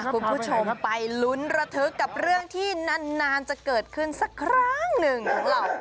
คุณผู้ชมไปลุ้นระทึกกับเรื่องที่นานจะเกิดขึ้นสักครั้งหนึ่งของเรา